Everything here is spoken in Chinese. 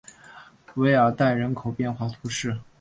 韦尔代人口变化图示